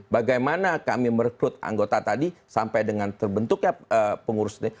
bagaimana kami merekrut anggota tadi sampai dengan terbentuknya pengurusnya